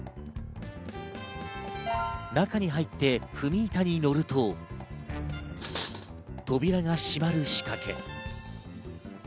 中に入って踏み板に乗ると、扉が閉まる仕掛け。